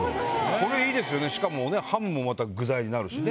これ、いいですよね、しかも、ハムもまた具材になるしね。